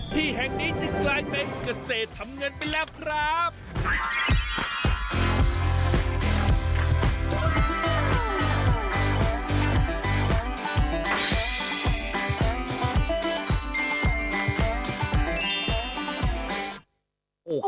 ที่แห่งนี้จึงกลายเป็นเกษตรทำเงินไปแล้วครับ